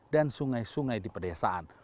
dan sungai sungai di pedesaan